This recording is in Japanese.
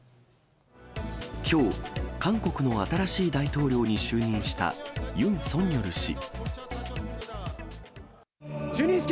きょう、韓国の新しい大統領に就任した、ユン・ソンニョル氏。